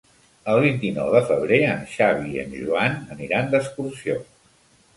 El vint-i-nou de febrer en Xavi i en Joan aniran d'excursió.